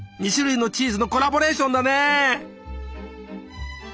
２種類のチーズのコラボレーションだね！